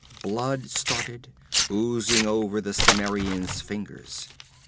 Blood started, oozing over the Cimmerian's fingers.